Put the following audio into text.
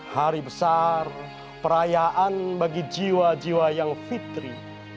hari besar perayaan bagi jiwa jiwa yang fitri